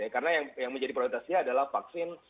karena yang menjadi prioritasnya adalah vaksin